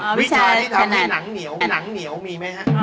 วิชาที่ทำให้หนังเหนียวหนังเหนียวมีไหมฮะ